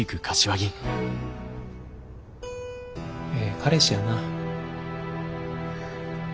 ええ彼氏やな。